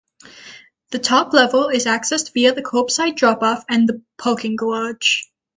The top level is accessed via the curbside drop off and the parking garage.